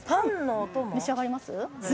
召し上がります？